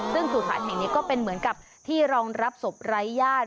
ซึ่งสุพรรณแห่งนี้ก็เป็นเหมือนกับที่รองรับศพไร้ญาติ